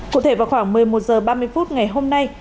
cụ thể vào khoảng một mươi một h ba mươi phút ngày hôm nay